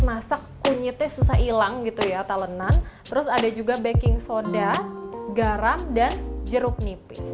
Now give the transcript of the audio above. masak kunyitnya susah hilang gitu ya talenan terus ada juga baking soda garam dan jeruk nipis